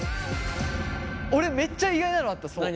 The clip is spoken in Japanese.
俺めっちゃ意外なのあった。